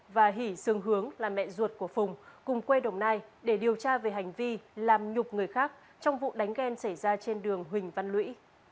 và hỷ sương hướng là mẹ ruột của phùng cùng quê đồng nai để điều tra về hành vi làm nhục người khác trong vụ đánh ghen xảy ra trên đường huỳnh văn lũy